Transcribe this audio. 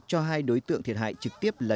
cho hai đối tượng thiệt hại trực tiếp là